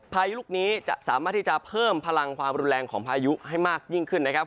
พายุลูกนี้จะสามารถที่จะเพิ่มพลังความรุนแรงของพายุให้มากยิ่งขึ้นนะครับ